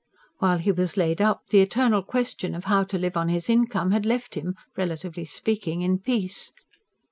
While he was laid up, the eternal question of how to live on his income had left him, relatively speaking, in peace.